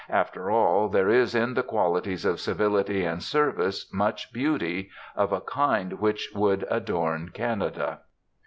After all, there is in the qualities of Civility and Service much beauty, of a kind which would adorn Canada.